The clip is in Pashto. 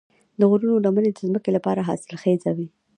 د غرونو لمنې د ځمکې لپاره حاصلخیزې وي.